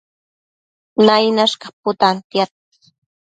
Nainash caputantiad